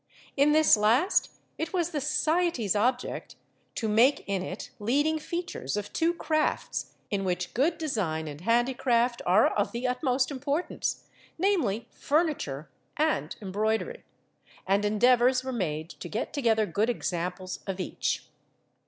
In this last it was the Society's object to make in it leading features of two crafts in which good design and handicraft are of the utmost importance, namely, Furniture and Embroidery; and endeavours were made to get together good examples of each.